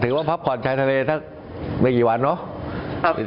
ถือว่าพับขวัญชายทะเลถ้าไม่กี่วันเนาะ